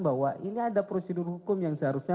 bahwa ini ada prosedur hukum yang seharusnya